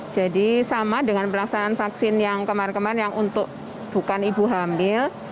jadi sama dengan pelaksanaan vaksin yang kemar kemar yang untuk bukan ibu hamil